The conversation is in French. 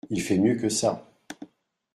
Il fait mieux que ça.